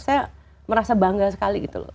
saya merasa bangga sekali gitu loh